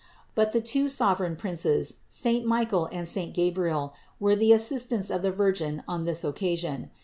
But the two sovereign princes, saint Michael and saint Gabriel, were the assistants of the Virgin on this occasion.